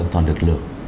toàn lực lượng